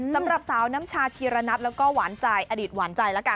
สำหรับสาวน้ำชาชีรณัทแล้วก็หวานใจอดีตหวานใจ